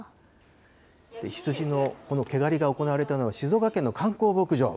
羊のこの毛刈りが行われたのは静岡県の観光牧場。